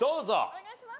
お願いします！